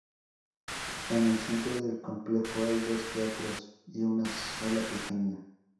En el centro del complejo hay dos teatros y una sala pequeña.